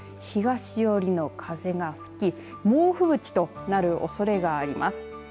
東寄りの風が吹き猛吹雪となるおそれがあります。